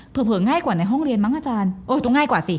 เผลอง่ายกว่าในห้องเรียนมั้งอาจารย์ต้องง่ายกว่าสิ